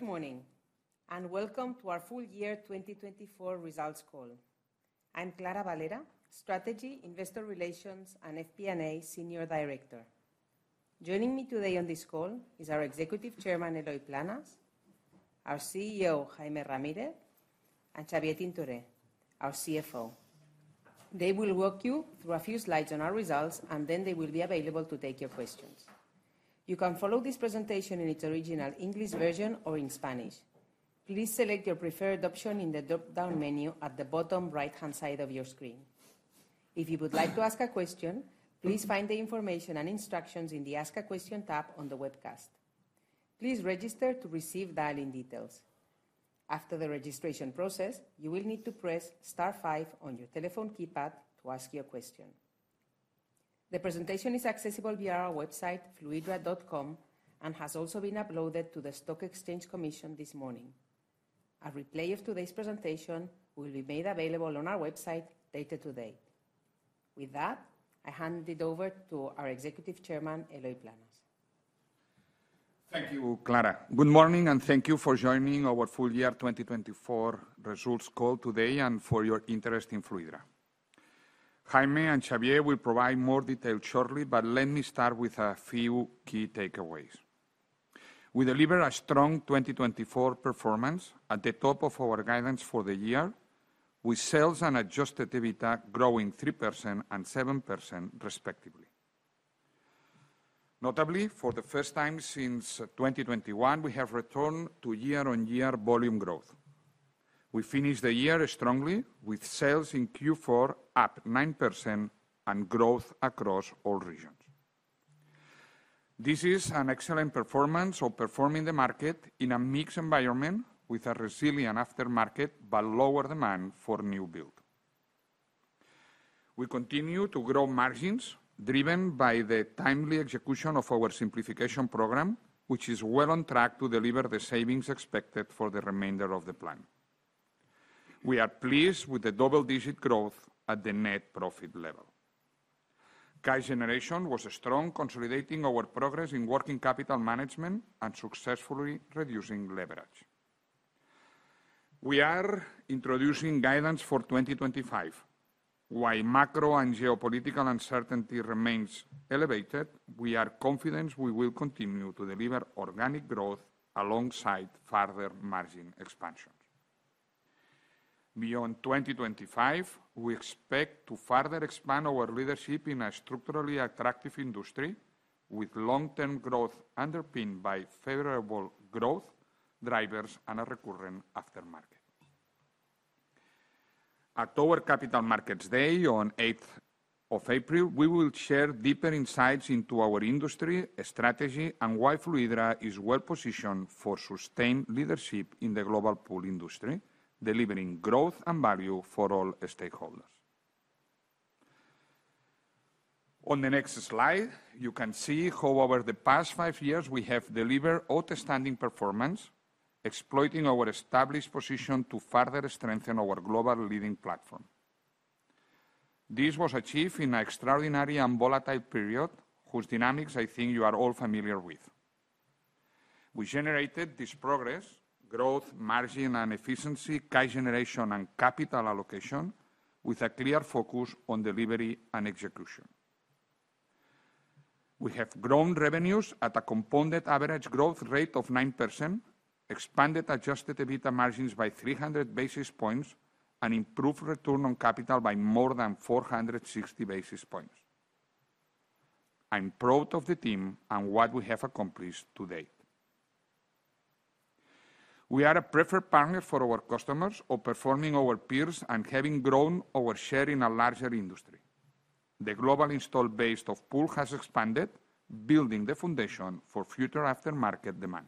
Good morning, and welcome to our full-year 2024 results call. I'm Clara Valera, Strategy, Investor Relations, and FP&A Senior Director. Joining me today on this call is our Executive Chairman, Eloy Planes, our CEO, Jaime Ramírez, and Xavier Tintoré, our CFO. They will walk you through a few slides on our results, and then they will be available to take your questions. You can follow this presentation in its original English version or in Spanish. Please select your preferred option in the drop-down menu at the bottom right-hand side of your screen. If you would like to ask a question, please find the information and instructions in the Ask a Question tab on the webcast. Please register to receive dial-in details. After the registration process, you will need to press *5 on your telephone keypad to ask your question. The presentation is accessible via our website, fluidra.com, and has also been uploaded to the Securities and Exchange Commission this morning. A replay of today's presentation will be made available on our website later today. With that, I hand it over to our Executive Chairman, Eloy Planes. Thank you, Clara. Good morning, and thank you for joining our full-year 2024 results call today and for your interest in Fluidra. Jaime and Xavier will provide more details shortly, but let me start with a few key takeaways. We deliver a strong 2024 performance at the top of our guidance for the year, with sales and Adjusted EBITDA growing 3% and 7%, respectively. Notably, for the first time since 2021, we have returned to year-on-year volume growth. We finished the year strongly, with sales in Q4 up 9% and growth across all regions. This is an excellent performance of outperforming the market in a mixed environment with a resilient aftermarket but lower demand for new build. We continue to grow margins, driven by the timely execution of our Simplification Program, which is well on track to deliver the savings expected for the remainder of the plan. We are pleased with the double-digit growth at the net profit level. Cash generation was strong, consolidating our progress in working capital management and successfully reducing leverage. We are introducing guidance for 2025. While macro and geopolitical uncertainty remains elevated, we are confident we will continue to deliver organic growth alongside further margin expansions. Beyond 2025, we expect to further expand our leadership in a structurally attractive industry, with long-term growth underpinned by favorable growth drivers and a recurring aftermarket. At our Capital Markets Day on April 8th, we will share deeper insights into our industry, strategy, and why Fluidra is well positioned for sustained leadership in the global pool industry, delivering growth and value for all stakeholders. On the next slide, you can see how over the past five years we have delivered outstanding performance, exploiting our established position to further strengthen our global leading platform. This was achieved in an extraordinary and volatile period, whose dynamics I think you are all familiar with. We generated this progress: growth, margin, and efficiency, cash generation, and capital allocation, with a clear focus on delivery and execution. We have grown revenues at a compounded average growth rate of 9%, expanded Adjusted EBITDA margins by 300 basis points, and improved return on capital by more than 460 basis points. I'm proud of the team and what we have accomplished to date. We are a preferred partner for our customers, outperforming our peers and having grown our share in a larger industry. The global installed base of pool has expanded, building the foundation for future aftermarket demand.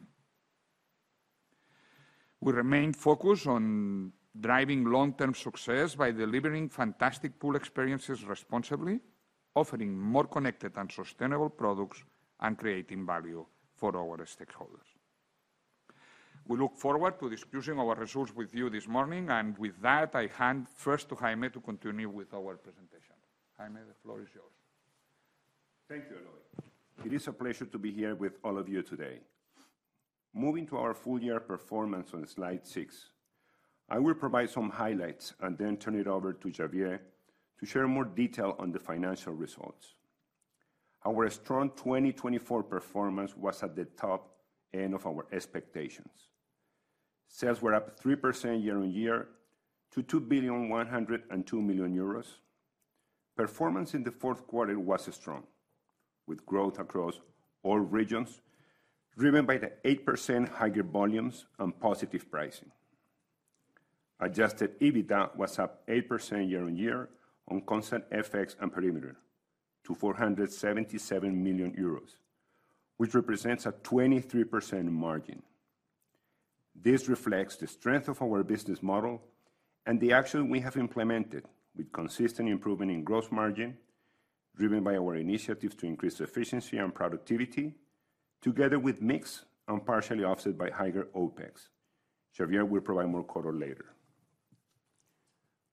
We remain focused on driving long-term success by delivering fantastic pool experiences responsibly, offering more connected and sustainable products, and creating value for our stakeholders. We look forward to discussing our results with you this morning, and with that, I hand first to Jaime to continue with our presentation. Jaime, the floor is yours. Thank you, Eloy. It is a pleasure to be here with all of you today. Moving to our full-year performance on slide six, I will provide some highlights and then turn it over to Xavier to share more detail on the financial results. Our strong 2024 performance was at the top end of our expectations. Sales were up 3% year-on-year to 2,102,000,000 euros. Performance in the fourth quarter was strong, with growth across all regions driven by the 8% higher volumes and positive pricing. Adjusted EBITDA was up 8% year-on-year on constant FX and perimeter to 477,000,000 euros, which represents a 23% margin. This reflects the strength of our business model and the actions we have implemented, with consistent improvement in gross margin driven by our initiatives to increase efficiency and productivity, together with mixed and partially offset by higher OpEx. Xavier will provide more color later.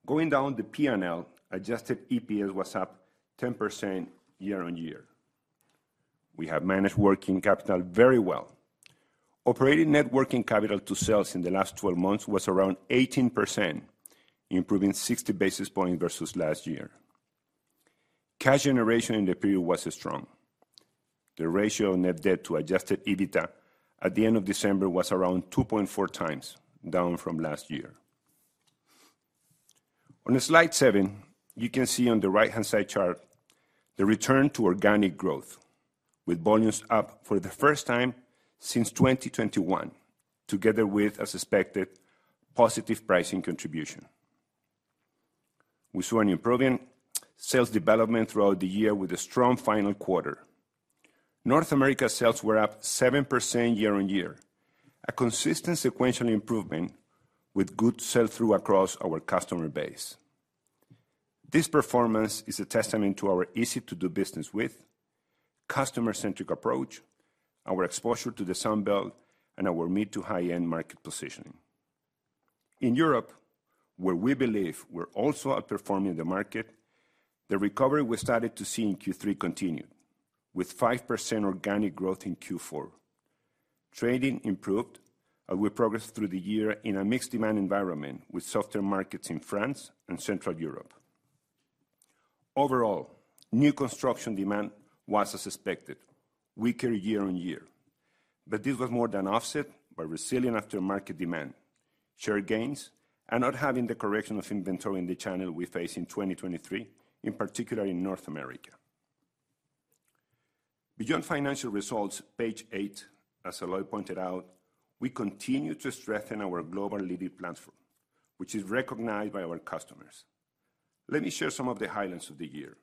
Going down the P&L, Adjusted EPS was up 10% year-on-year. We have managed working capital very well. Operating net working capital to sales in the last 12 months was around 18%, improving 60 basis points versus last year. Cash generation in the period was strong. The ratio of net debt to Adjusted EBITDA at the end of December was around 2.4 times, down from last year. On slide seven, you can see on the right-hand side chart the return to organic growth, with volumes up for the first time since 2021, together with, as expected, positive pricing contribution. We saw an improvement in sales development throughout the year with a strong final quarter. North America sales were up 7% year-on-year, a consistent sequential improvement with good sell-through across our customer base. This performance is a testament to our easy-to-do business with, customer-centric approach, our exposure to the Sunbelt, and our mid-to-high-end market positioning. In Europe, where we believe we're also outperforming the market, the recovery we started to see in Q3 continued, with 5% organic growth in Q4. Trading improved, and we progressed through the year in a mixed demand environment with softer markets in France and Central Europe. Overall, new construction demand was, as expected, weaker year-on-year, but this was more than offset by resilient aftermarket demand, share gains, and not having the correction of inventory in the channel we face in 2023, in particular in North America. Beyond financial results, page eight, as Eloy pointed out, we continue to strengthen our global leading platform, which is recognized by our customers. Let me share some of the highlights of the year.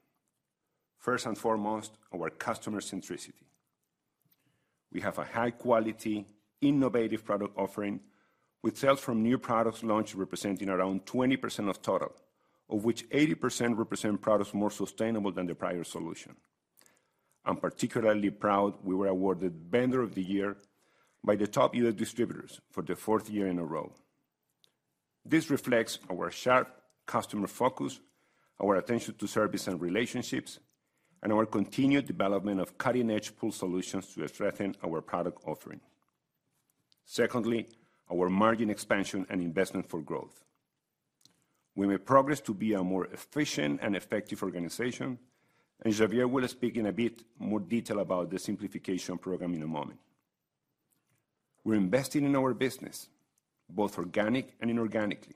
First and foremost, our customer-centricity. We have a high-quality, innovative product offering, with sales from new products launched representing around 20% of total, of which 80% represent products more sustainable than the prior solution. I'm particularly proud we were awarded Vendor of the Year by the top U.S. distributors for the fourth year in a row. This reflects our sharp customer focus, our attention to service and relationships, and our continued development of cutting-edge pool solutions to strengthen our product offering. Secondly, our margin expansion and investment for growth. We made progress to be a more efficient and effective organization, and Xavier will speak in a bit more detail about the Simplification Program in a moment. We're investing in our business, both organic and inorganically.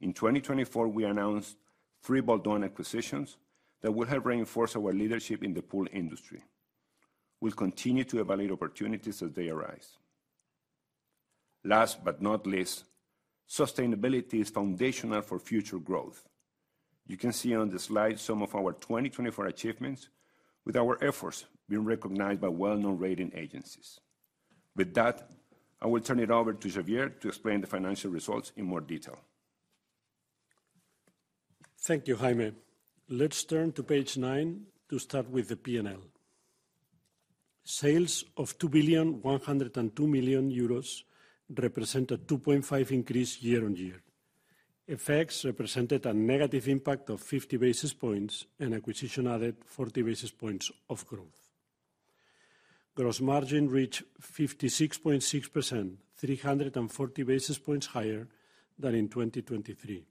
In 2024, we announced three bolt-on acquisitions that will help reinforce our leadership in the pool industry. We'll continue to evaluate opportunities as they arise. Last but not least, sustainability is foundational for future growth. You can see on the slide some of our 2024 achievements, with our efforts being recognized by well-known rating agencies. With that, I will turn it over to Xavier to explain the financial results in more detail. Thank you, Jaime. Let's turn to page nine to start with the P&L. Sales of 2,102,000,000 euros represent a 2.5% increase year-on-year. FX represented a negative impact of 50 basis points and acquisition added 40 basis points of growth. Gross margin reached 56.6%, 340 basis points higher than in 2023,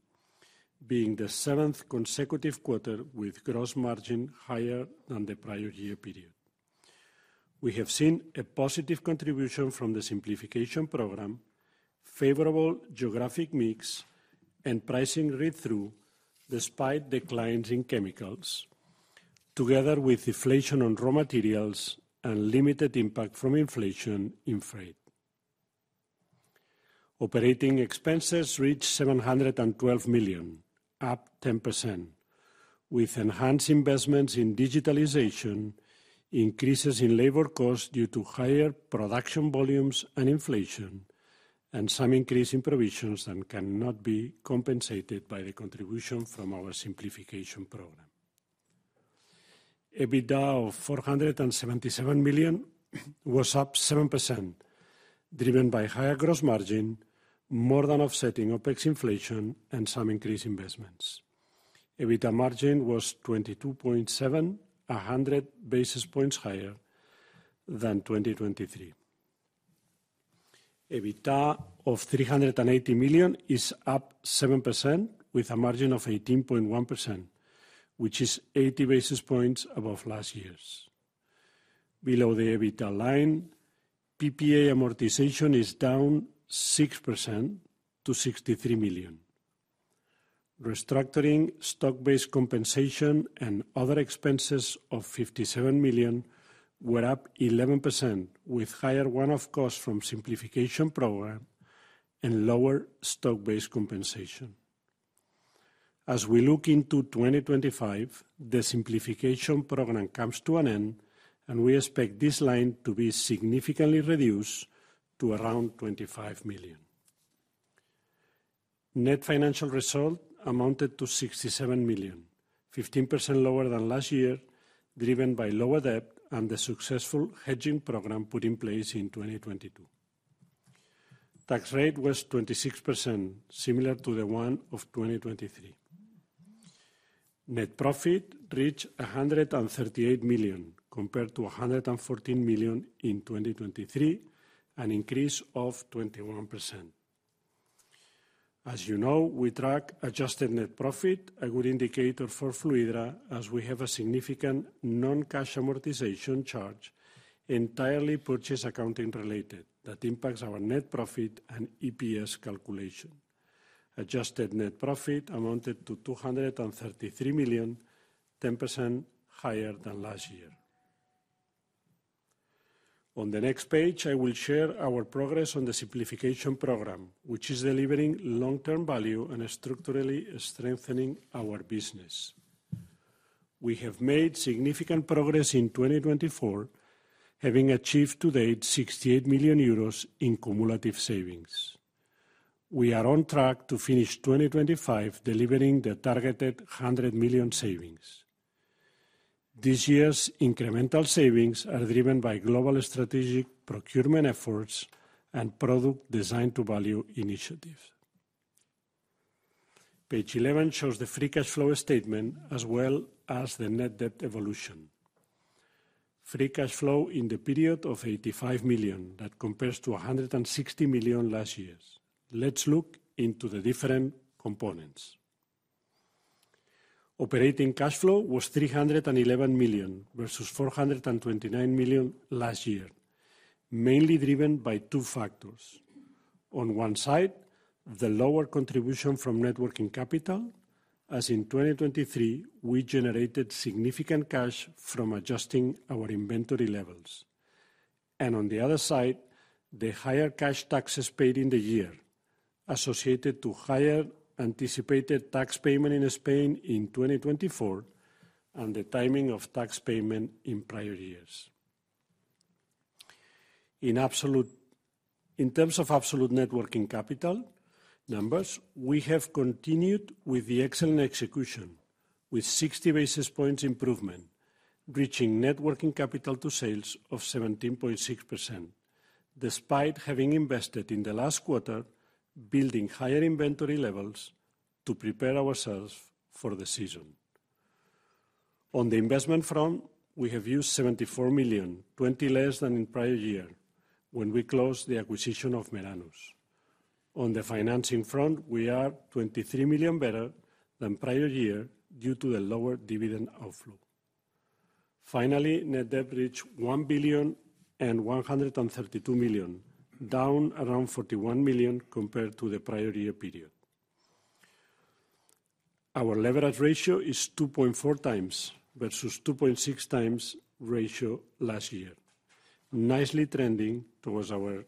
being the seventh consecutive quarter with gross margin higher than the prior year period. We have seen a positive contribution from the Simplification program, favorable geographic mix, and pricing read-through despite declines in chemicals, together with deflation on raw materials and limited impact from inflation in freight. Operating expenses reached 712,000,000, up 10%, with enhanced investments in digitalization, increases in labor costs due to higher production volumes and inflation, and some increase in provisions that cannot be compensated by the contribution from our Simplification program. EBITDA of 477,000,000 was up 7%, driven by higher gross margin, more than offsetting OPEX inflation and some increased investments. EBITDA margin was 22.7%, a 100 basis points higher than 2023. EBITDA of 380,000,000 is up 7%, with a margin of 18.1%, which is 80 basis points above last year. Below the EBITDA line, PPA amortization is down 6% to 63,000,000. Restructuring, stock-based compensation, and other expenses of 57,000,000 were up 11%, with higher one-off costs from the Simplification program and lower stock-based compensation. As we look into 2025, the Simplification program comes to an end, and we expect this line to be significantly reduced to around 25,000,000. Net financial result amounted to 67,000,000, 15% lower than last year, driven by lower debt and the successful hedging program put in place in 2022. Tax rate was 26%, similar to the one of 2023. Net profit reached 138,000,000, compared to 114,000,000 in 2023, an increase of 21%. As you know, we track adjusted net profit, a good indicator for Fluidra, as we have a significant non-cash amortization charge, entirely purchase accounting related, that impacts our net profit and EPS calculation. Adjusted net profit amounted to 233,000,000, 10% higher than last year. On the next page, I will share our progress on the Simplification program, which is delivering long-term value and structurally strengthening our business. We have made significant progress in 2024, having achieved to date 68,000,000 euros in cumulative savings. We are on track to finish 2025, delivering the targeted 100,000,000 savings. This year's incremental savings are driven by global strategic procurement efforts and product design-to-value initiatives. Page 11 shows the free cash flow statement, as well as the net debt evolution. Free cash flow in the period of 85,000,000 that compares to 160,000,000 last year. Let's look into the different components. Operating cash flow was 311,000,000 versus 429,000,000 last year, mainly driven by two factors. On one side, the lower contribution from working capital, as in 2023 we generated significant cash from adjusting our inventory levels, and on the other side, the higher cash taxes paid in the year, associated to higher anticipated tax payment in Spain in 2024 and the timing of tax payment in prior years. In terms of absolute working capital numbers, we have continued with the excellent execution, with 60 basis points improvement, reaching working capital to sales of 17.6%, despite having invested in the last quarter, building higher inventory levels to prepare ourselves for the season. On the investment front, we have used 74,000,000, 20 less than in prior year when we closed the acquisition of Meranus. On the financing front, we are 23,000,000 better than prior year due to the lower dividend outflow. Finally, net debt reached 1,132,000,000, down around 41,000,000 compared to the prior year period. Our leverage ratio is 2.4 times versus 2.6 times ratio last year, nicely trending towards our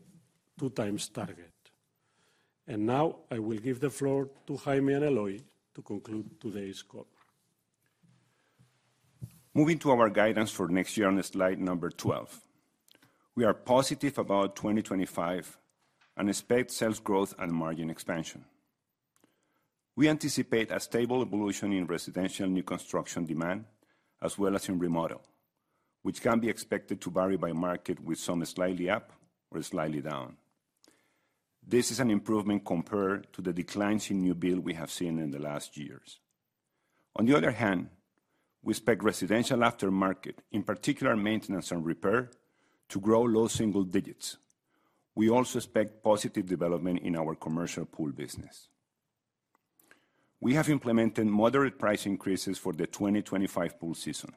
two-times target, and now I will give the floor to Jaime and Eloy to conclude today's call. Moving to our guidance for next year on slide 12, we are positive about 2025 and expect sales growth and margin expansion. We anticipate a stable evolution in residential new construction demand, as well as in remodel, which can be expected to vary by market, with some slightly up or slightly down. This is an improvement compared to the declines in new build we have seen in the last years. On the other hand, we expect residential aftermarket, in particular maintenance and repair, to grow low single digits. We also expect positive development in our commercial pool business. We have implemented moderate price increases for the 2025 pool season.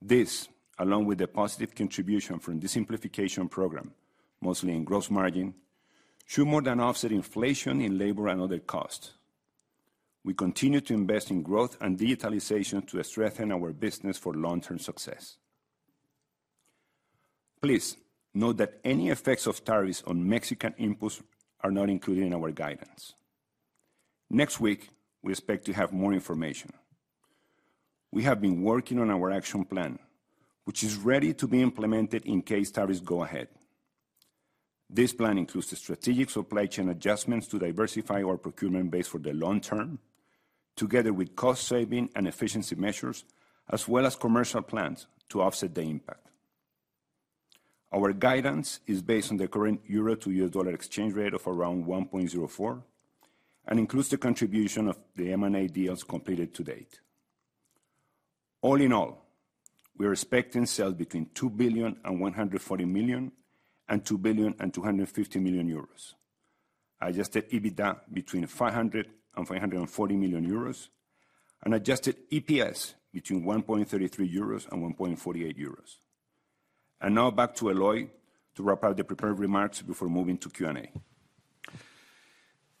This, along with the positive contribution from the Simplification program, mostly in gross margin, should more than offset inflation in labor and other costs. We continue to invest in growth and digitalization to strengthen our business for long-term success. Please note that any effects of tariffs on Mexican inputs are not included in our guidance. Next week, we expect to have more information. We have been working on our action plan, which is ready to be implemented in case tariffs go ahead. This plan includes the strategic supply chain adjustments to diversify our procurement base for the long term, together with cost-saving and efficiency measures, as well as commercial plans to offset the impact. Our guidance is based on the current euro to U.S. dollar exchange rate of around 1.04 and includes the contribution of the M&A deals completed to date. All in all, we are expecting sales between €2,140,000,000 and €2,250,000,000, Adjusted EBITDA between €500,000,000 and €540,000,000, and Adjusted EPS between €1.33 and €1.48. And now back to Eloy to wrap up the prepared remarks before moving to Q&A.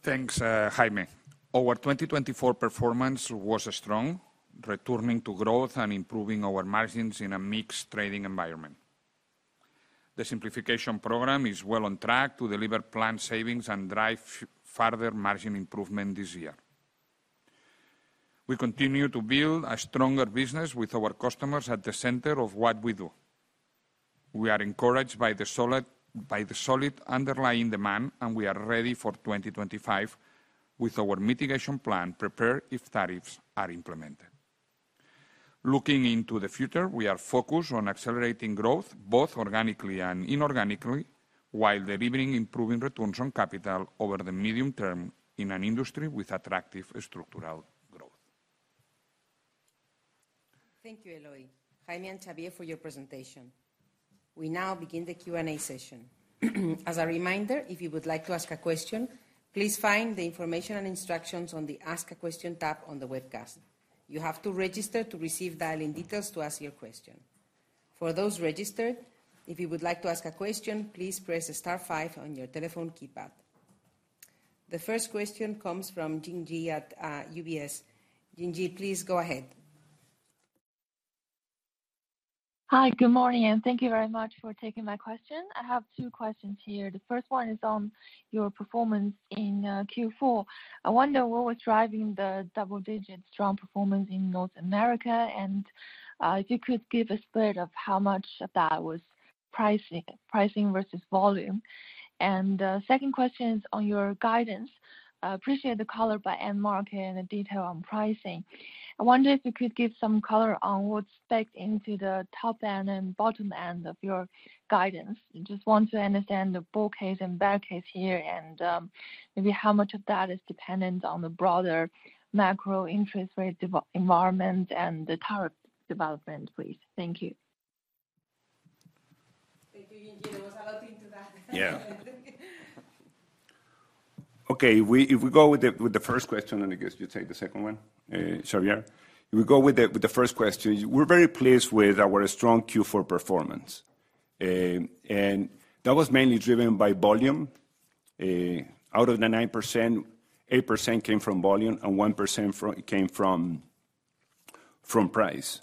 Thanks, Jaime. Our 2024 performance was strong, returning to growth and improving our margins in a mixed trading environment. The Simplification Program is well on track to deliver planned savings and drive further margin improvement this year. We continue to build a stronger business with our customers at the center of what we do. We are encouraged by the solid underlying demand, and we are ready for 2025 with our mitigation plan prepared if tariffs are implemented. Looking into the future, we are focused on accelerating growth, both organically and inorganically, while delivering improving returns on capital over the medium term in an industry with attractive structural growth. Thank you, Eloy, Jaime and Xavier, for your presentation. We now begin the Q&A session. As a reminder, if you would like to ask a question, please find the information and instructions on the Ask a Question tab on the webcast. You have to register to receive dial-in details to ask your question. For those registered, if you would like to ask a question, please press the star five on your telephone keypad. The first question comes from Jingyi at UBS. Jingyi, please go ahead. Hi, good morning, and thank you very much for taking my question. I have two questions here. The first one is on your performance in Q4. I wonder what was driving the double-digit strong performance in North America, and if you could give a split of how much of that was pricing versus volume. And the second question is on your guidance. I appreciate the color by end market and the detail on pricing. I wonder if you could give some color on what's specced into the top end and bottom end of your guidance. I just want to understand the bull case and bear case here, and maybe how much of that is dependent on the broader macro interest rate environment and the tariff development, please. Thank you. Thank you, Jingyi. There was a lot into that. Yeah. Okay, if we go with the first question, and I guess you take the second one, Xavier. If we go with the first question, we're very pleased with our strong Q4 performance, and that was mainly driven by volume. Out of the 9%, 8% came from volume, and 1% came from price.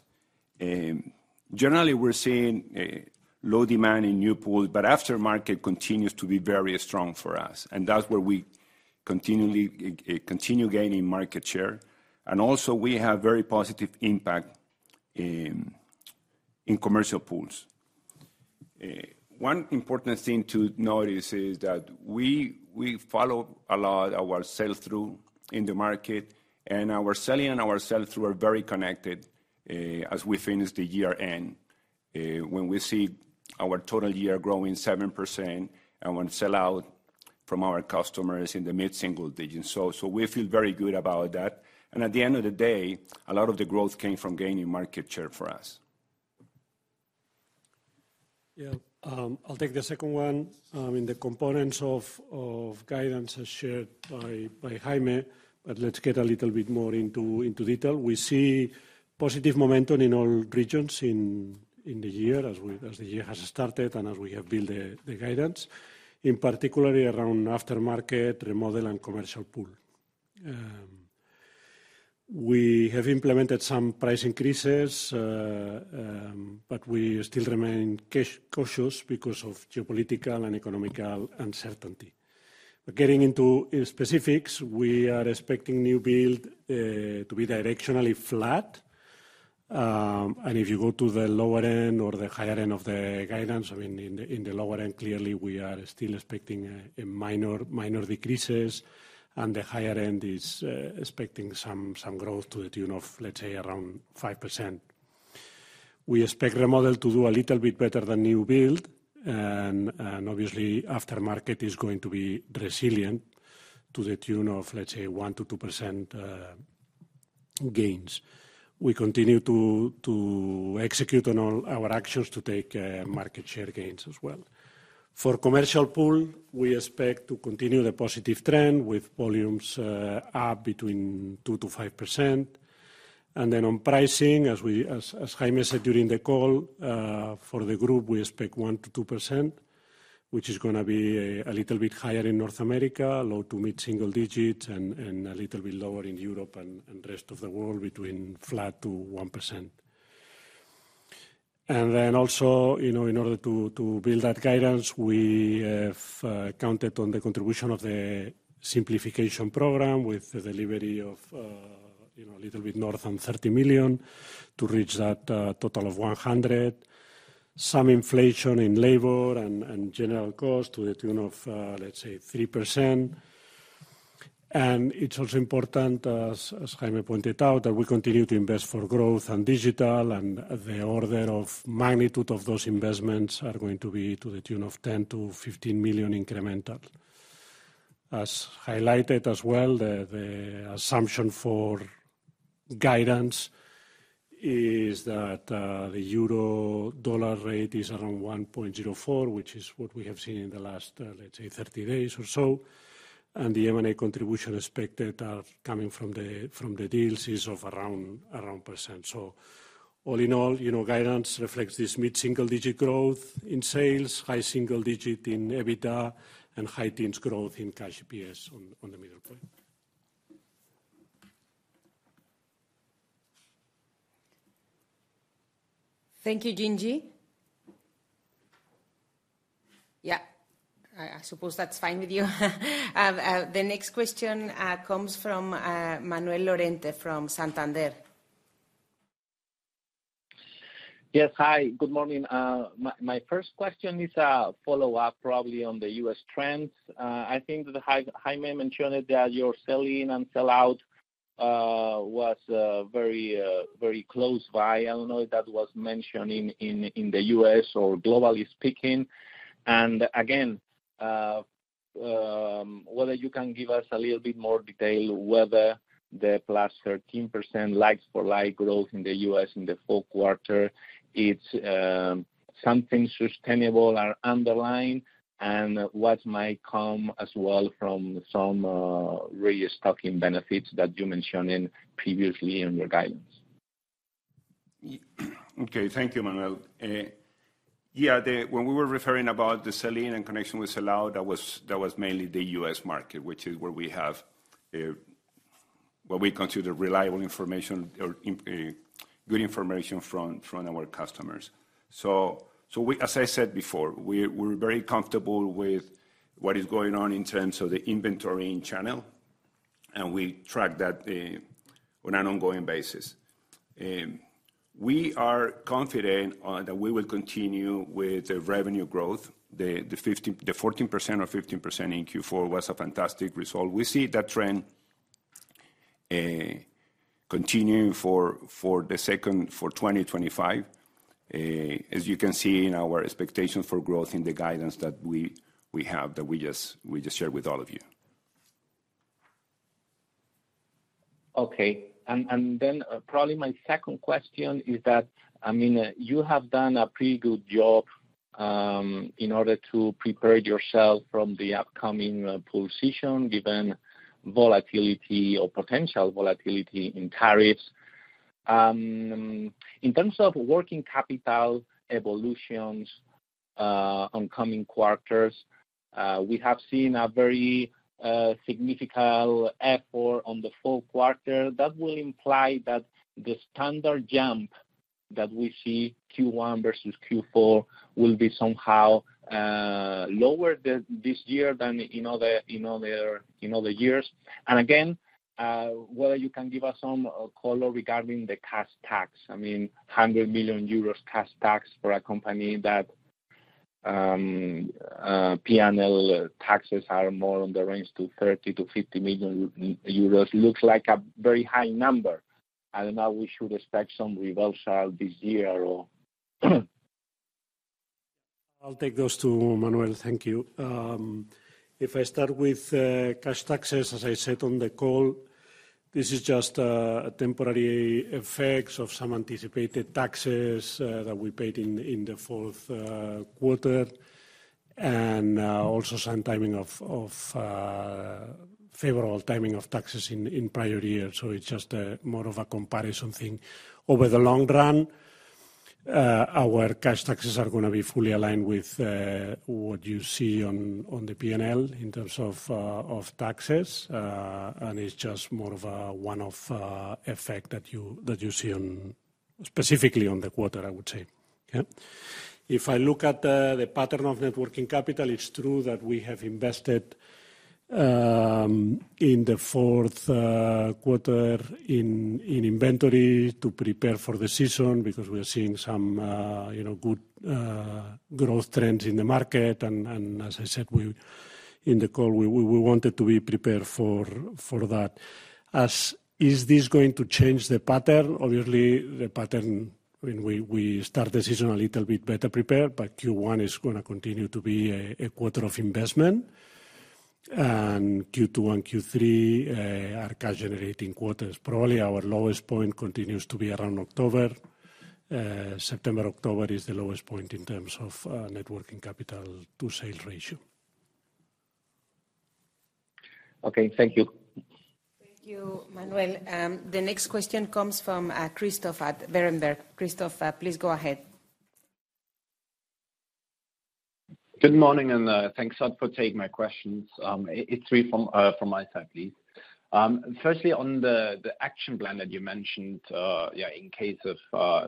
Generally, we're seeing low demand in new pools, but aftermarket continues to be very strong for us, and that's where we continue gaining market share, and also, we have a very positive impact in commercial pools. One important thing to notice is that we follow a lot of our sell-through in the market, and our sell-in and our sell-through are very connected as we finish the year-end. When we see our total year growing 7%, and when we sell-out from our customers in the mid-single digits, so we feel very good about that. At the end of the day, a lot of the growth came from gaining market share for us. Yeah, I'll take the second one in the components of guidance as shared by Jaime, but let's get a little bit more into detail. We see positive momentum in all regions in the year as the year has started and as we have built the guidance, in particular around aftermarket, remodel, and commercial pool. We have implemented some price increases, but we still remain cautious because of geopolitical and economic uncertainty. Getting into specifics, we are expecting new build to be directionally flat. And if you go to the lower end or the higher end of the guidance, I mean, in the lower end, clearly, we are still expecting minor decreases, and the higher end is expecting some growth to the tune of, let's say, around 5%. We expect remodel to do a little bit better than new build, and obviously, aftermarket is going to be resilient to the tune of, let's say, 1%-2% gains. We continue to execute on all our actions to take market share gains as well. For commercial pool, we expect to continue the positive trend with volumes up between 2%-5%. And then on pricing, as Jaime said during the call, for the group, we expect 1%-2%, which is going to be a little bit higher in North America, low to mid-single digits, and a little bit lower in Europe and the rest of the world, between flat to 1%. And then also, in order to build that guidance, we have counted on the contribution of the Simplification program with the delivery of a little bit north of 30 million to reach that total of 100 million, some inflation in labor and general cost to the tune of, let's say, 3%. And it's also important, as Jaime pointed out, that we continue to invest for growth and digital, and the order of magnitude of those investments are going to be to the tune of 10 million-15 million incremental. As highlighted as well, the assumption for guidance is that the euro dollar rate is around 1.04, which is what we have seen in the last, let's say, 30 days or so. And the M&A contribution expected coming from the deals is of around 1%. So all in all, guidance reflects this mid-single digit growth in sales, high single digit in EBITDA, and high teens growth in cash EPS on the middle point. Thank you, Jingyi. Yeah, I suppose that's fine with you. The next question comes from Manuel Lorente from Santander. Yes, hi, good morning. My first question is a follow-up, probably on the US trends. I think that Jaime mentioned that your sell-in and sell-out was very close by. I don't know if that was mentioned in the US or globally speaking. And again, whether you can give us a little bit more detail whether the +13% like-for-like growth in the US in the fourth quarter, it's something sustainable or underlying, and what might come as well from some re-stocking benefits that you mentioned previously in your guidance. Okay, thank you, Manuel. Yeah, when we were referring to the sell-in and connection with sell-out, that was mainly the U.S. market, which is where we have what we consider reliable information or good information from our customers. So as I said before, we're very comfortable with what is going on in terms of the inventory in the channel, and we track that on an ongoing basis. We are confident that we will continue with the revenue growth. The 14% or 15% in Q4 was a fantastic result. We see that trend continuing for the second half of 2025, as you can see in our expectations for growth in the guidance that we have that we just shared with all of you. Okay, and then probably my second question is that, I mean, you have done a pretty good job in order to prepare yourself from the upcoming pool season, given volatility or potential volatility in tariffs. In terms of working capital evolutions on coming quarters, we have seen a very significant effort on the fourth quarter. That will imply that the standard jump that we see Q1 versus Q4 will be somehow lower this year than in other years. And again, whether you can give us some color regarding the cash tax, I mean, 100 million euros cash tax for a company that P&L taxes are more on the range to 30 to 50 million euros, looks like a very high number. I don't know if we should expect some reversal this year or. I'll take those two, Manuel. Thank you. If I start with cash taxes, as I said on the call, this is just a temporary effect of some anticipated taxes that we paid in the fourth quarter, and also some timing of favorable timing of taxes in prior years, so it's just more of a comparison thing. Over the long run, our cash taxes are going to be fully aligned with what you see on the P&L in terms of taxes, and it's just more of a one-off effect that you see specifically on the quarter, I would say. If I look at the pattern of net working capital, it's true that we have invested in the fourth quarter in inventory to prepare for the season because we are seeing some good growth trends in the market, and as I said on the call, we wanted to be prepared for that. Is this going to change the pattern? Obviously, the pattern, we start the season a little bit better prepared, but Q1 is going to continue to be a quarter of investment. And Q2 and Q3 are cash-generating quarters. Probably our lowest point continues to be around October. September, October is the lowest point in terms of net working capital to sales ratio. Okay, thank you. Thank you, Manuel. The next question comes from Christoph at Berenberg. Christoph, please go ahead. Good morning, and thanks for taking my questions. It's three from my side, please. Firstly, on the action plan that you mentioned in case of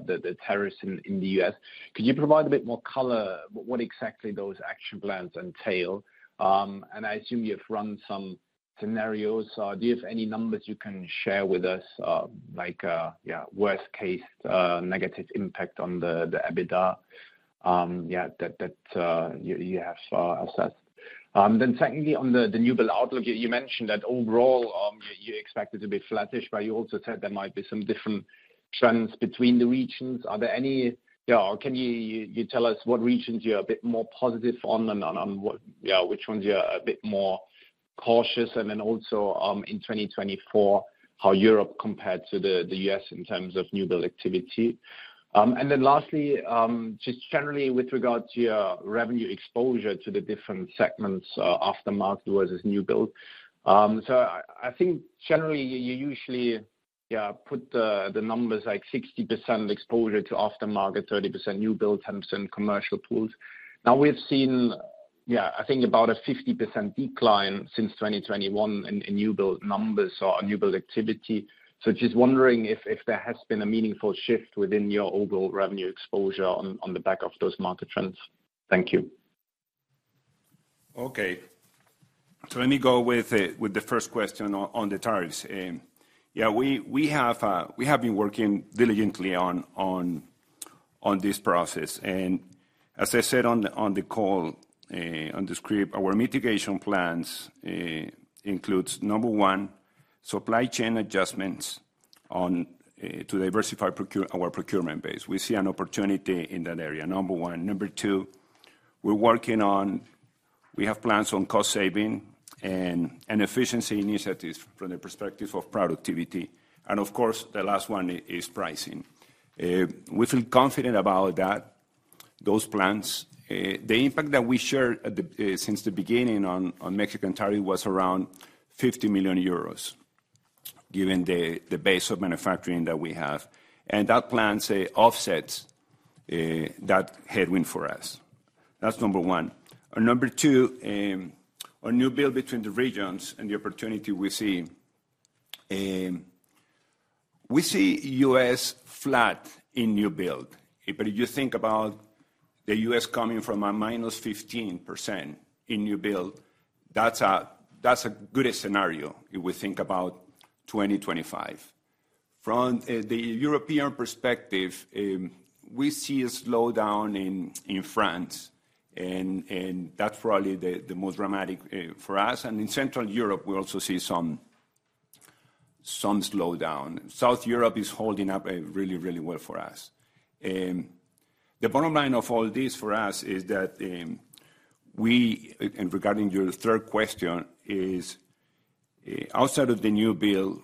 the tariffs in the U.S., could you provide a bit more color? What exactly do those action plans entail? And I assume you've run some scenarios. Do you have any numbers you can share with us, like worst-case negative impact on the EBITDA that you have saw as such? Then secondly, on the new build outlook, you mentioned that overall you expected to be flattish, but you also said there might be some different trends between the regions. Are there any, or can you tell us what regions you're a bit more positive on and which ones you're a bit more cautious? And then also in 2024, how Europe compared to the U.S. in terms of new build activity? And then lastly, just generally with regard to your revenue exposure to the different segments, aftermarket versus new build. So I think generally you usually put the numbers like 60% exposure to aftermarket, 30% new build, 10% commercial pools. Now we've seen, yeah, I think about a 50% decline since 2021 in new build numbers or new build activity. So just wondering if there has been a meaningful shift within your overall revenue exposure on the back of those market trends. Thank you. Okay, Tony, go with the first question on the tariffs? Yeah, we have been working diligently on this process. And as I said on the call, on the script, our mitigation plans includes, number one, supply chain adjustments to diversify our procurement base. We see an opportunity in that area, number one. Number two, we're working on, we have plans on cost saving and efficiency initiatives from the perspective of productivity. And of course, the last one is pricing. We feel confident about those plans. The impact that we shared since the beginning on Mexican tariff was around 50 million euros, given the base of manufacturing that we have. And that plan offsets that headwind for us. That's number one. And number two, our new build between the regions and the opportunity we see, we see U.S. flat in new build. But if you think about the U.S. coming from a -15% in new build, that's a good scenario if we think about 2025. From the European perspective, we see a slowdown in France, and that's probably the most dramatic for us. And in Central Europe, we also see some slowdown. South Europe is holding up really, really well for us. The bottom line of all this for us is that we, and regarding your third question, is outside of the new build,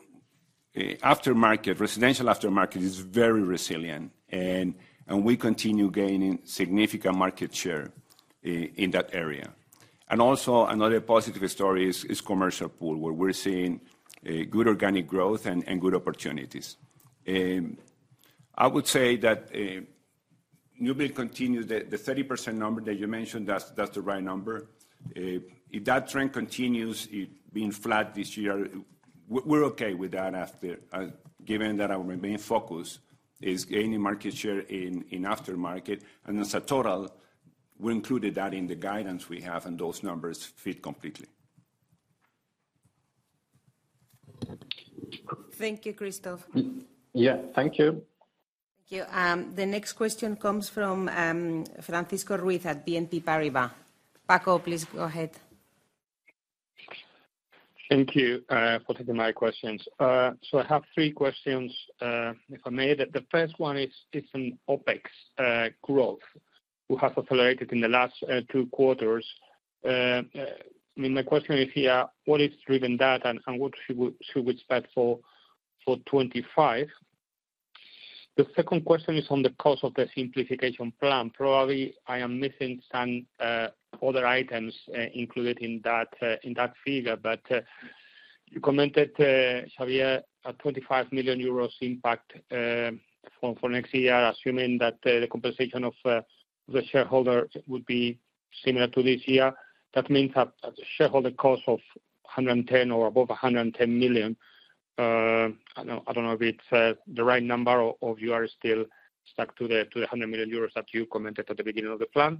aftermarket, residential aftermarket is very resilient, and we continue gaining significant market share in that area. And also another positive story is commercial pool, where we're seeing good organic growth and good opportunities. I would say that new build continues, the 30% number that you mentioned, that's the right number. If that trend continues, being flat this year, we're okay with that, given that our main focus is gaining market share in aftermarket, and as a total, we included that in the guidance we have, and those numbers fit completely. Thank you, Christoph. Yeah, thank you. Thank you. The next question comes from Francisco Ruiz at BNP Paribas. Paco, please go ahead. Thank you for taking my questions. So I have three questions for me. The first one is, is an OpEx growth? We have accelerated in the last two quarters. My question is here, what is driven that and what should we expect for 2025? The second question is on the cost of the simplification plan. Probably I am missing some other items included in that figure, but you commented, Xavier, at 25 million euros impact for next year, assuming that the compensation of the shareholder would be similar to this year. That means a shareholder cost of 110 million or above 110 million. I don't know if it's the right number or you are still stuck to the 100 million euros that you commented at the beginning of the plan.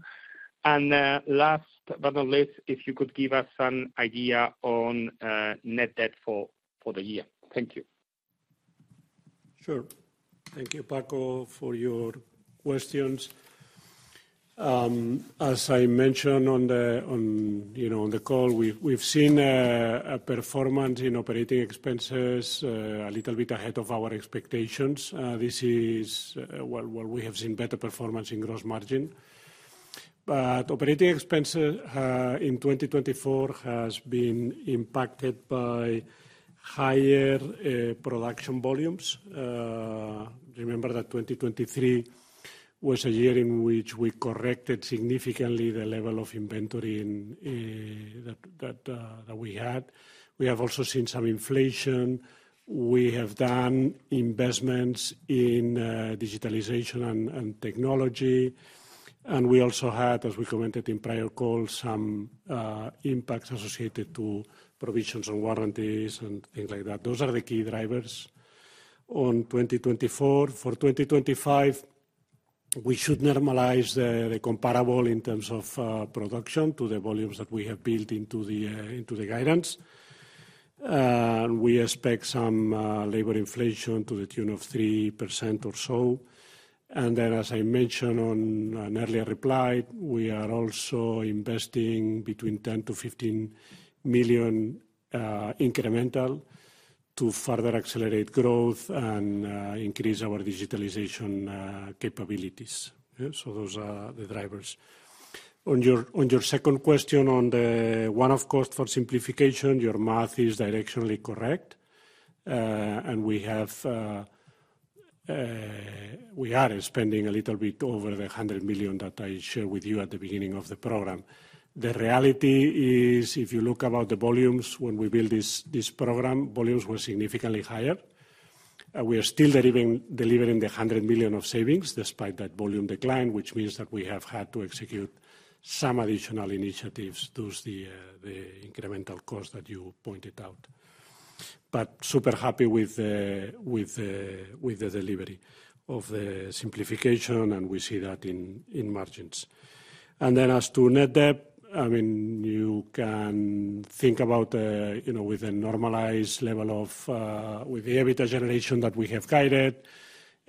And last but not least, if you could give us an idea on net debt for the year. Thank you. Sure. Thank you, Paco, for your questions. As I mentioned on the call, we've seen a performance in operating expenses a little bit ahead of our expectations. This is where we have seen better performance in gross margin, but operating expenses in 2024 have been impacted by higher production volumes. Remember that 2023 was a year in which we corrected significantly the level of inventory that we had. We have also seen some inflation. We have done investments in digitalization and technology, and we also had, as we commented in prior calls, some impacts associated to provisions on warranties and things like that. Those are the key drivers on 2024. For 2025, we should normalize the comparable in terms of production to the volumes that we have built into the guidance. We expect some labor inflation to the tune of 3% or so. And then, as I mentioned on an earlier reply, we are also investing between 10-15 million incremental to further accelerate growth and increase our digitalization capabilities. So those are the drivers. On your second question on the one-off cost for simplification, your math is directionally correct. And we are spending a little bit over the 100 million that I shared with you at the beginning of the program. The reality is, if you look about the volumes when we built this program, volumes were significantly higher. We are still delivering the 100 million of savings despite that volume decline, which means that we have had to execute some additional initiatives to the incremental cost that you pointed out. But super happy with the delivery of the simplification, and we see that in margins. And then as to net debt, I mean, you can think about with a normalized level of the EBITDA generation that we have guided,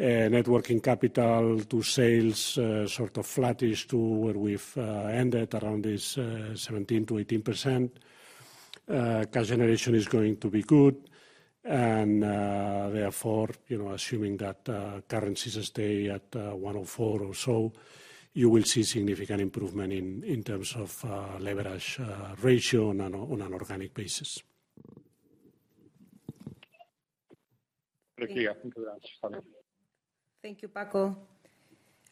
net working capital to sales sort of flattish to where we've ended around this 17%-18%. Cash generation is going to be good. And therefore, assuming that currencies stay at 104 or so, you will see significant improvement in terms of leverage ratio on an organic basis. Thank you. Thank you, Paco.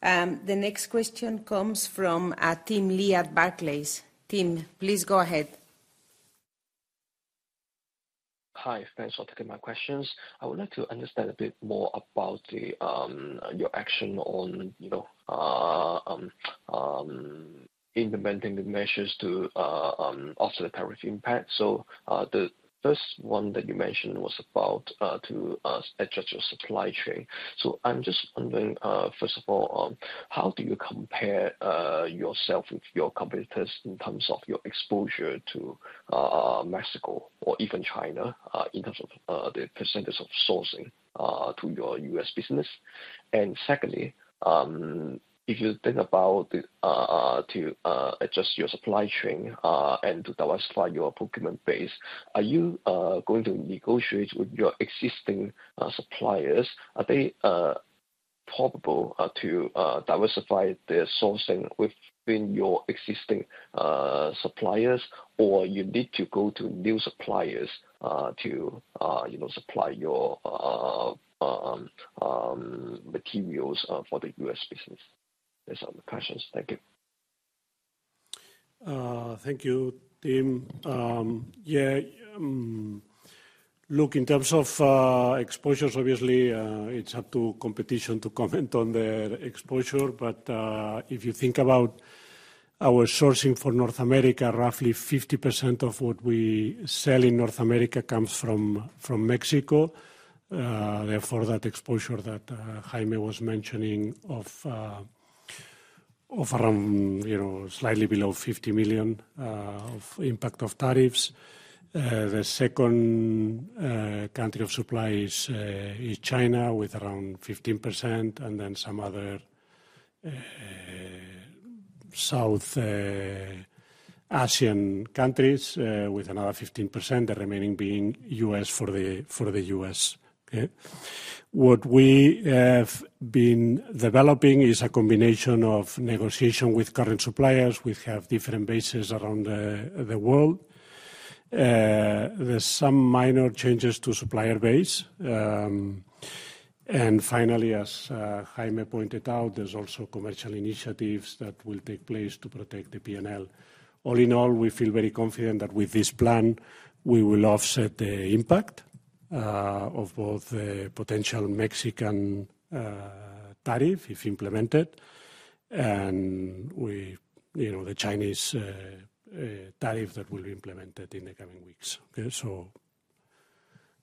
The next question comes from Tim Lee, Barclays. Tim, please go ahead. Hi, thanks for taking my questions. I would like to understand a bit more about your action on implementing the measures to offset the tariff impact. So the first one that you mentioned was about to adjust your supply chain. So I'm just wondering, first of all, how do you compare yourself with your competitors in terms of your exposure to Mexico or even China in terms of the percentage of sourcing to your US business? And secondly, if you think about to adjust your supply chain and to diversify your procurement base, are you going to negotiate with your existing suppliers? Are they probably to diversify their sourcing within your existing suppliers, or you need to go to new suppliers to supply your materials for the US business? These are the questions. Thank you. Thank you, Tim. Yeah, look, in terms of exposures, obviously, it's up to competition to comment on their exposure. But if you think about our sourcing for North America, roughly 50% of what we sell in North America comes from Mexico. Therefore, that exposure that Jaime was mentioning of around slightly below 50 million of impact of tariffs. The second country of supply is China with around 15%, and then some other South Asian countries with another 15%, the remaining being US for the US. What we have been developing is a combination of negotiation with current suppliers. We have different bases around the world. There's some minor changes to supplier base. And finally, as Jaime pointed out, there's also commercial initiatives that will take place to protect the P&L. All in all, we feel very confident that with this plan, we will offset the impact of both the potential Mexican tariff if implemented and the Chinese tariff that will be implemented in the coming weeks. So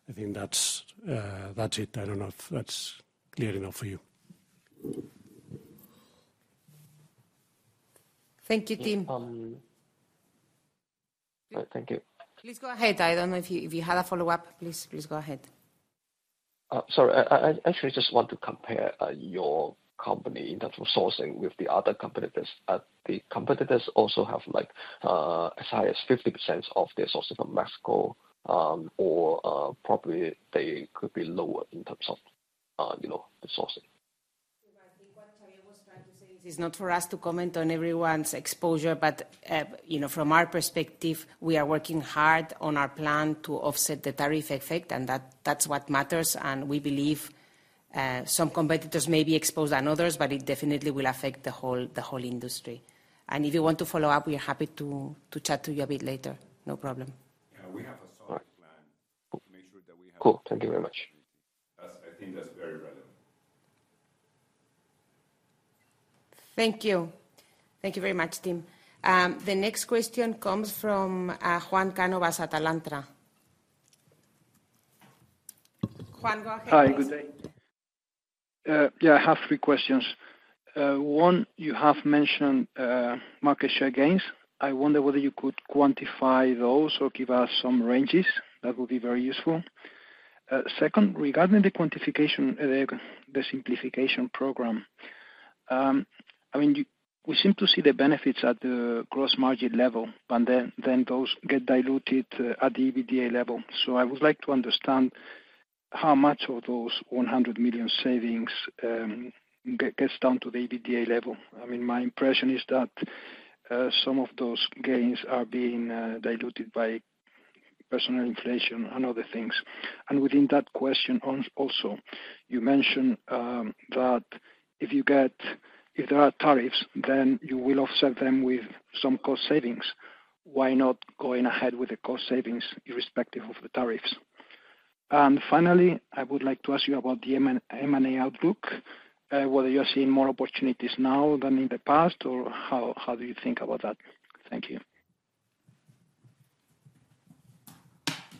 I think that's it. I don't know if that's clear enough for you. Thank you, Tim. Thank you. Please go ahead. I don't know if you had a follow-up. Please go ahead. Sorry, I actually just want to compare your company in terms of sourcing with the other competitors. The competitors also have as high as 50% of their sourcing from Mexico, or probably they could be lower in terms of sourcing. It is not for us to comment on everyone's exposure, but from our perspective, we are working hard on our plan to offset the tariff effect, and that's what matters, and we believe some competitors may be exposed than others, but it definitely will affect the whole industry, and if you want to follow up, we're happy to chat to you a bit later. No problem. Yeah, we have a solid plan to make sure that we have to. Thank you very much. Thank you. Thank you very much, Tim. The next question comes from Juan Cánovas, Alantra. Juan, go ahead. Hi, good day. Yeah, I have three questions. One, you have mentioned market share gains. I wonder whether you could quantify those or give us some ranges. That would be very useful. Second, regarding the quantification, the Simplification program, I mean, we seem to see the benefits at the gross margin level, but then those get diluted at the EBITDA level. So I would like to understand how much of those 100 million savings gets down to the EBITDA level. I mean, my impression is that some of those gains are being diluted by personnel inflation and other things. And within that question also, you mentioned that if there are tariffs, then you will offset them with some cost savings. Why not going ahead with the cost savings irrespective of the tariffs? Finally, I would like to ask you about the M&A outlook, whether you're seeing more opportunities now than in the past, or how do you think about that? Thank you.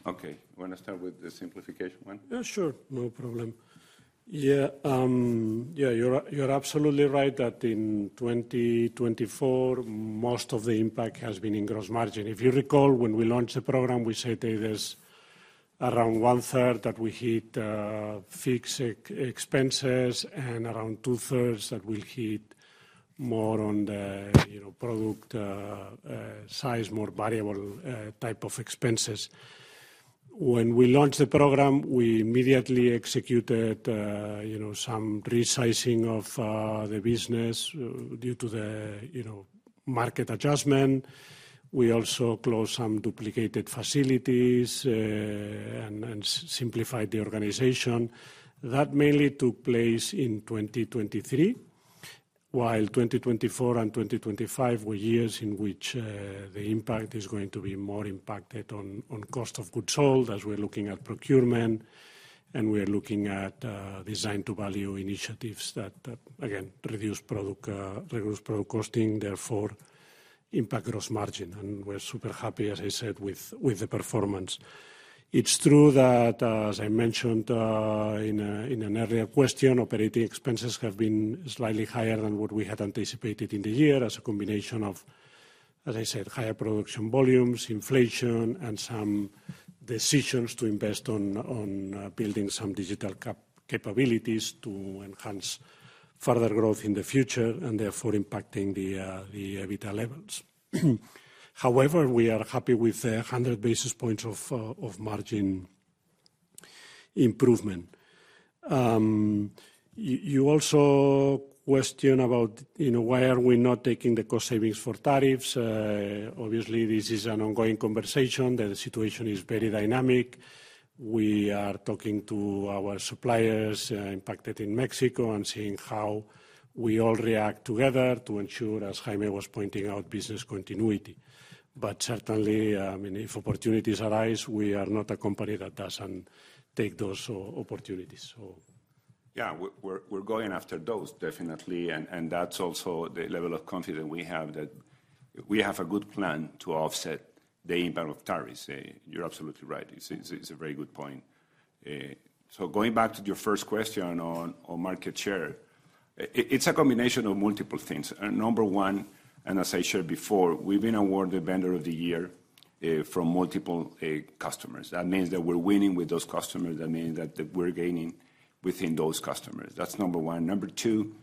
Okay, I want to start with the simplification one. Sure, no problem. Yeah, you're absolutely right that in 2024, most of the impact has been in gross margin. If you recall, when we launched the program, we said there's around one-third that we hit fixed expenses and around two-thirds that we hit more on the product size, more variable type of expenses. When we launched the program, we immediately executed some resizing of the business due to the market adjustment. We also closed some duplicated facilities and simplified the organization. That mainly took place in 2023, while 2024 and 2025 were years in which the impact is going to be more impacted on cost of goods sold as we're looking at procurement and we are looking at design-to-value initiatives that, again, reduce product costing, therefore impact gross margin, and we're super happy, as I said, with the performance. It's true that, as I mentioned in an earlier question, operating expenses have been slightly higher than what we had anticipated in the year as a combination of, as I said, higher production volumes, inflation, and some decisions to invest on building some digital capabilities to enhance further growth in the future and therefore impacting the EBITDA levels. However, we are happy with 100 basis points of margin improvement. You also question about why are we not taking the cost savings for tariffs. Obviously, this is an ongoing conversation. The situation is very dynamic. We are talking to our suppliers impacted in Mexico and seeing how we all react together to ensure, as Jaime was pointing out, business continuity. But certainly, I mean, if opportunities arise, we are not a company that doesn't take those opportunities. Yeah, we're going after those, definitely. And that's also the level of confidence we have that we have a good plan to offset the impact of tariffs. You're absolutely right. It's a very good point. So going back to your first question on market share, it's a combination of multiple things. Number one, and as I shared before, we've been awarded Vendor of the Year from multiple customers. That means that we're winning with those customers. That means that we're gaining within those customers. That's number one. Number two,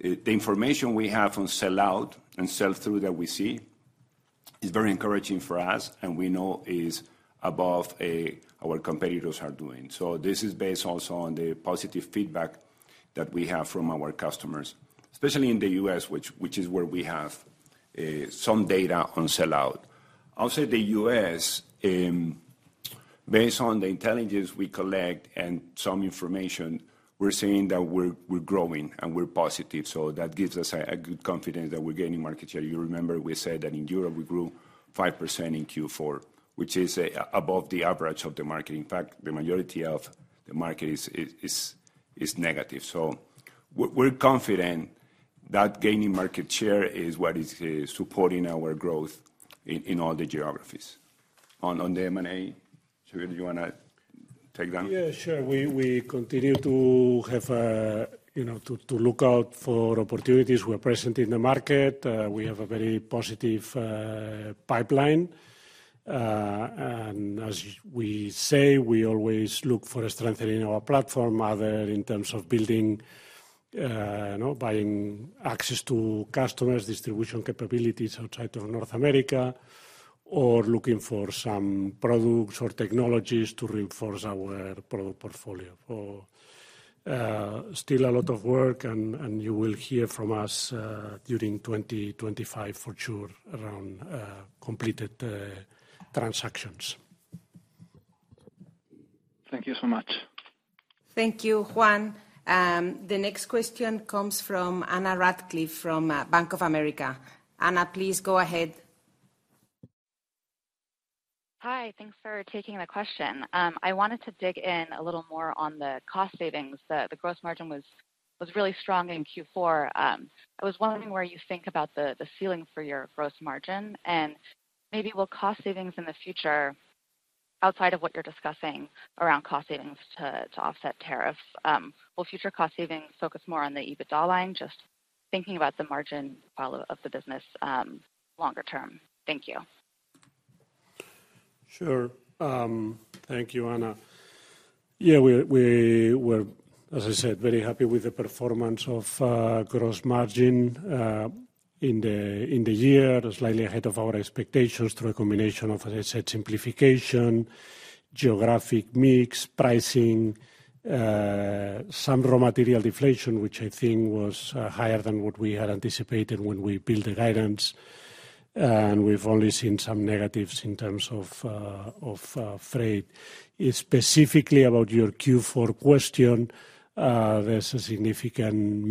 the information we have on sell-out and sell-through that we see is very encouraging for us, and we know is above our competitors are doing. So this is based also on the positive feedback that we have from our customers, especially in the U.S., which is where we have some data on sell-out. I'll say the U.S., based on the intelligence we collect and some information, we're seeing that we're growing and we're positive. So that gives us a good confidence that we're gaining market share. You remember we said that in Europe, we grew 5% in Q4, which is above the average of the market. In fact, the majority of the market is negative. So we're confident that gaining market share is what is supporting our growth in all the geographies. On the M&A, Xavier, do you want to take that? Yeah, sure. We continue to look out for opportunities. We're present in the market. We have a very positive pipeline. And as we say, we always look for strengthening our platform, either in terms of building, buying access to customers, distribution capabilities outside of North America, or looking for some products or technologies to reinforce our product portfolio. Still a lot of work, and you will hear from us during 2025 for sure around completed transactions. Thank you so much. Thank you, Juan. The next question comes from Anna Radcliffe from Bank of America. Anna, please go ahead. Hi, thanks for taking the question. I wanted to dig in a little more on the cost savings. The gross margin was really strong in Q4. I was wondering where you think about the ceiling for your gross margin, and maybe will cost savings in the future, outside of what you're discussing around cost savings to offset tariffs, will future cost savings focus more on the EBITDA line, just thinking about the margin of the business longer term? Thank you. Sure. Thank you, Anna. Yeah, we were, as I said, very happy with the performance of gross margin in the year, slightly ahead of our expectations through a combination of, as I said, simplification, geographic mix, pricing, some raw material deflation, which I think was higher than what we had anticipated when we built the guidance. We've only seen some negatives in terms of freight. Specifically about your Q4 question, there's a significant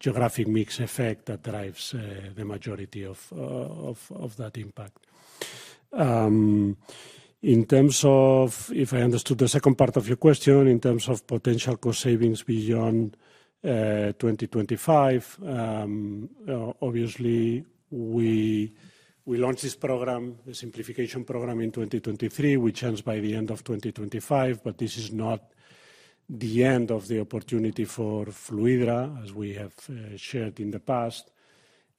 geographic mix effect that drives the majority of that impact. In terms of, if I understood the second part of your question, in terms of potential cost savings beyond 2025, obviously, we launched this program, the Simplification program in 2023. We expect to conclude by the end of 2025, but this is not the end of the opportunity for Fluidra, as we have shared in the past.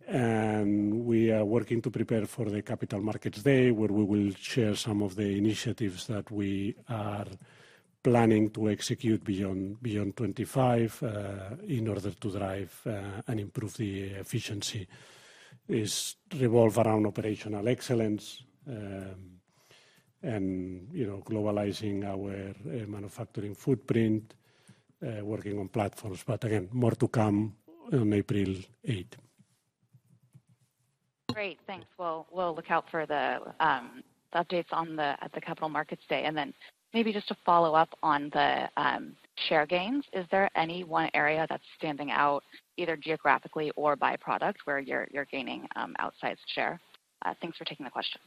And we are working to prepare for the Capital Markets Day, where we will share some of the initiatives that we are planning to execute beyond 2025 in order to drive and improve the efficiency. It's revolved around operational excellence and globalizing our manufacturing footprint, working on platforms, but again, more to come on April 8th. Great. Thanks. We'll look out for the updates at the Capital Markets Day. And then maybe just to follow up on the share gains, is there any one area that's standing out either geographically or by product where you're gaining outsized share? Thanks for taking the question.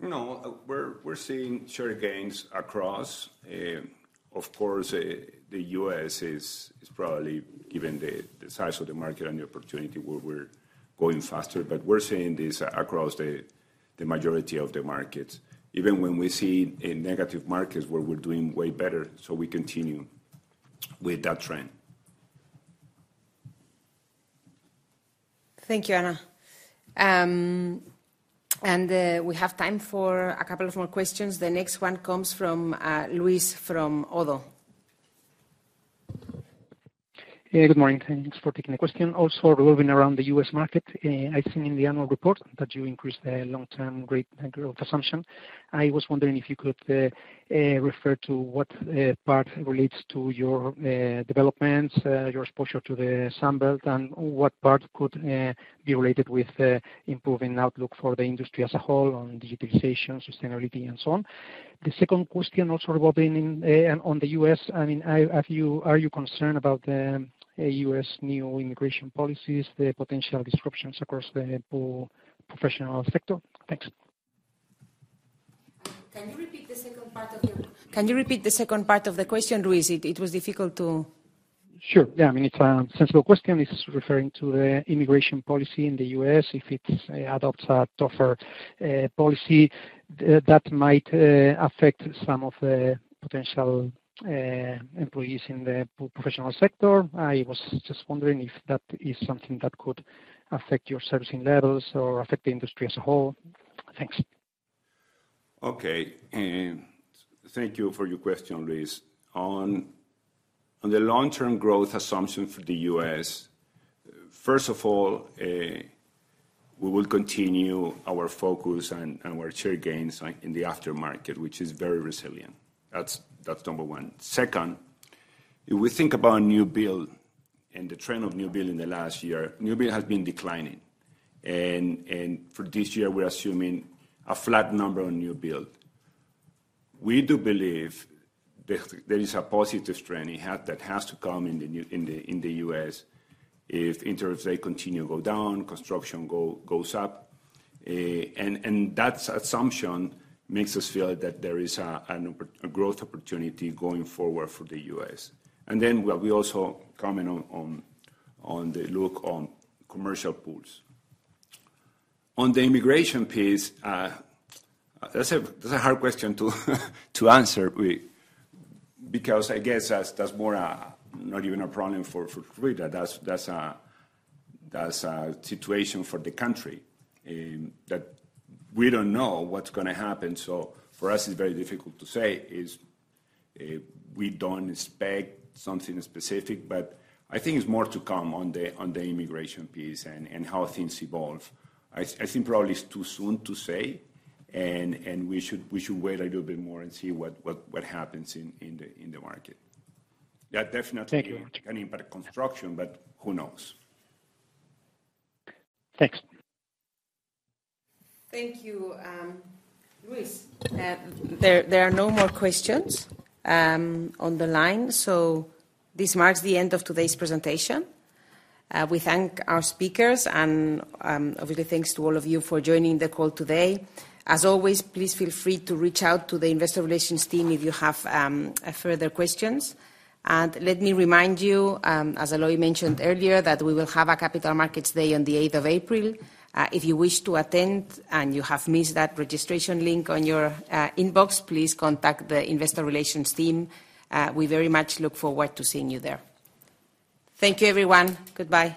No, we're seeing share gains across. Of course, the U.S. is probably, given the size of the market and the opportunity, where we're going faster, but we're seeing this across the majority of the markets. Even when we see negative markets where we're doing way better, so we continue with that trend. Thank you, Anna. And we have time for a couple of more questions. The next one comes from Luis from ODDO. Yeah, good morning. Thanks for taking the question. Also, revolving around the U.S. market, I've seen in the annual report that you increased the long-term rate and growth assumption. I was wondering if you could refer to what part relates to your developments, your exposure to the Sunbelt and what part could be related with improving outlook for the industry as a whole on digitalization, sustainability, and so on. The second question also revolving on the U.S., I mean, are you concerned about the U.S. new immigration policies, the potential disruptions across the pool professional sector? Thanks. Can you repeat the second part of your question? Can you repeat the second part of the question, Luis? It was difficult to. Sure. Yeah, I mean, it's a sensible question. This is referring to the immigration policy in the U.S. If it adopts a tougher policy, that might affect some of the potential employees in the pool professional sector. I was just wondering if that is something that could affect your servicing levels or affect the industry as a whole. Thanks. Okay. Thank you for your question, Luis. On the long-term growth assumption for the U.S., first of all, we will continue our focus and our share gains in the aftermarket, which is very resilient. That's number one. Second, if we think about new build and the trend of new build in the last year, new build has been declining. And for this year, we're assuming a flat number on new build. We do believe there is a positive trend that has to come in the U.S. if interest rates continue to go down, construction goes up. And that assumption makes us feel that there is a growth opportunity going forward for the U.S. And then we also comment on the look on commercial pools. On the immigration piece, that's a hard question to answer because I guess that's more not even a problem for Fluidra. That's a situation for the country that we don't know what's going to happen. So for us, it's very difficult to say. We don't expect something specific, but I think it's more to come on the immigration piece and how things evolve. I think probably it's too soon to say, and we should wait a little bit more and see what happens in the market. Yeah, definitely an impact on construction, but who knows? Thanks. Thank you, Luis. There are no more questions on the line. So this marks the end of today's presentation. We thank our speakers and, obviously, thanks to all of you for joining the call today. As always, please feel free to reach out to the investor relations team if you have further questions, and let me remind you, as Eloy mentioned earlier, that we will have a Capital Markets Day on the 8th of April. If you wish to attend and you have missed that registration link on your inbox, please contact the investor relations team. We very much look forward to seeing you there. Thank you, everyone. Goodbye.